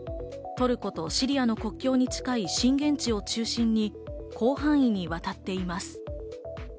トルコとシリアの国境に近い震源地を中心に広範囲にわたっています。